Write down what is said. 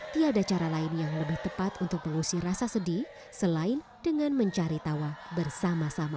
tiada cara lain yang lebih tepat untuk mengusir rasa sedih selain dengan mencari tawa bersama sama